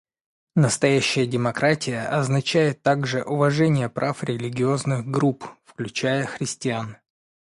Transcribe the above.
Настоящая демократия означает также уважение прав религиозных групп, включая христиан.